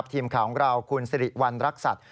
ทีมข่าวของเราคุณสิริวัณรักษัตริย